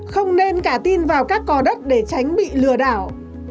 không nên cả tin vào các cò đất để tránh bị lừa đảo